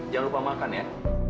jangan lupa makan ya